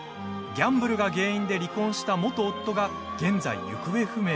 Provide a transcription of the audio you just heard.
ギャンブルが原因で離婚した元夫が、現在、行方不明に。